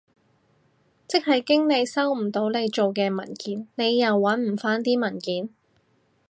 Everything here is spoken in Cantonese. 即係經理收唔到你做嘅文件，你又搵唔返啲文件？